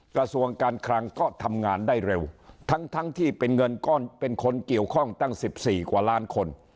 กระทรวงการคลังก็ทำงานได้เร็วทั้งทั้งที่เป็นเงินก้อนเป็นคนเกี่ยวข้องตั้ง๑๔กว่าล้านคน